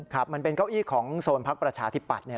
ครับมันเป็นเก้าอี้ของโซนพักประชาธิปัตย์